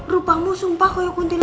rupamu sumpah kaya kuntilanak